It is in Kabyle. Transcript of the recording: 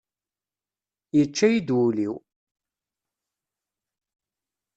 Yečča-yi-d wul-iw!